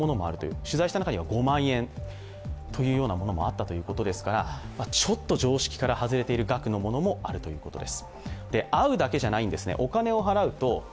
取材した中には５万円というものもあったということですから、ちょっと常識から外れている額のものもあるということです。